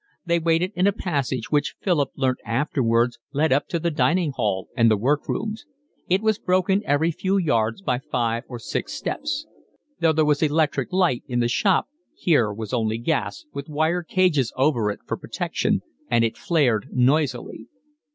They waited in a passage which Philip learnt afterwards led up to the dining hall and the work rooms; it was broken every few yards by five or six steps. Though there was electric light in the shop here was only gas, with wire cages over it for protection, and it flared noisily.